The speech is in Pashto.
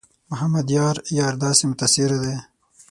محمد یار یار داسې متاثره دی.